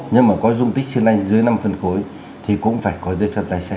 nhưng mà có trung tích xin lanh dưới năm phân khối thì cũng phải có giấy phép lái xe